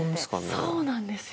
そうなんですよ。